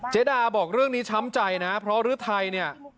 เจดาบอกเรื่องนี้ช้ำใจนะเพราะฤทัยเนี่ย